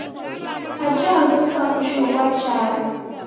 Aja wavika mwisho ghwa charo.